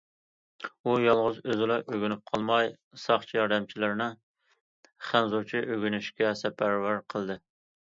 ئۇ يالغۇز ئۆزىلا ئۆگىنىپ قالماي، ساقچى ياردەمچىلىرىنى خەنزۇچە ئۆگىنىشكە سەپەرۋەر قىلدى.